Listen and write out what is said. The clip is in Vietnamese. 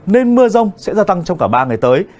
nên mưa rông sẽ gia tăng trong cả ba ngày tới